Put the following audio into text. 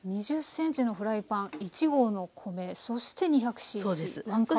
２０ｃｍのフライパン１合の米そして２００ｃｃ１カップ。